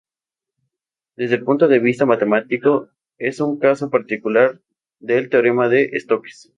Desde el punto de vista matemático es un caso particular del teorema de Stokes.